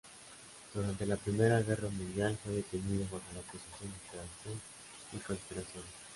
Durante la Primera Guerra Mundial, fue detenido bajo la acusación de traición y conspiración.